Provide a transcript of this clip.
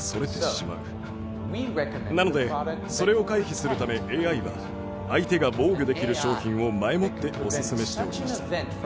なのでそれを回避するためＡＩは相手が防御できる商品を前もっておすすめしておきました。